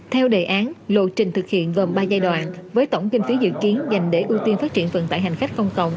theo đề án lộ trình thực hiện gồm ba giai đoạn với tổng kinh phí dự kiến dành để ưu tiên phát triển vận tải hành khách công cộng